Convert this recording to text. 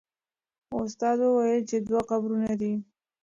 استاد وویل چې دوه قبرونه دي.